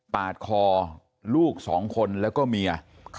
ปาดคอลูก๒คนแล้วก็เมีย